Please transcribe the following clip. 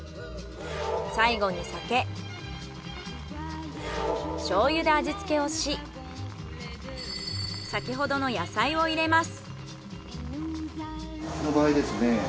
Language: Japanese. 最後に酒醤油で味付けをし先ほどの野菜を入れます。